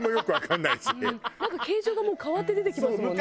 なんか形状がもう変わって出てきますもんね。